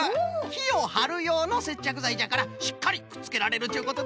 きをはるようのせっちゃくざいじゃからしっかりくっつけられるっちゅうことですな。